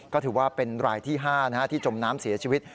ก็ถือว่าเป็นรายที่๕ที่จมน้ำเสียชีวิต